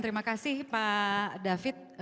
terima kasih pak david